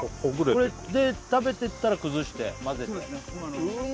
これで食べてったら崩して混ぜてうまっ！